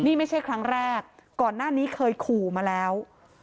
นี่ไม่ใช่ครั้งแรกก่อนหน้านี้เคยขู่มาแล้ว